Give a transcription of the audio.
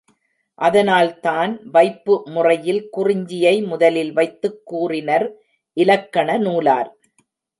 அதனால்தான் வைப்பு முறையில் குறிஞ்சியை முதலில் வைத்துக் கூறினர் இலக்கண நூலார்.